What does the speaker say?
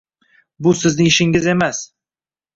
Bu sizning ishingiz emas!